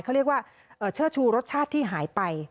เขาเรียกว่าเชิดชูรสชาติที่หายไป